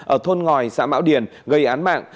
ở thôn ngòi xã mão điền gây án mạng